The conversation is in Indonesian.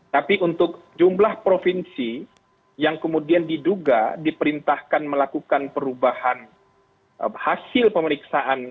tapi untuk jumlah provinsi yang kemudian diduga diperintahkan melakukan perubahan hasil pemeriksaan